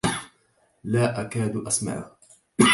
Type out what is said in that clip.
لا أكاد أسمعه.